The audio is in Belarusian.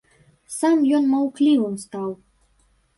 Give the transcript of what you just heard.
Сам ён маўклівым стаў.